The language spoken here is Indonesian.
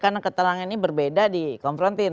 karena keterangan ini berbeda di konfrontir